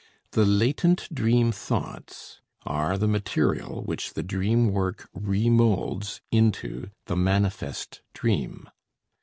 The latent dream thoughts are the material which the dream work remolds into the manifest dream.